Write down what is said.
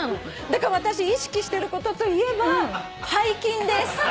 だから私意識してることといえば背筋です。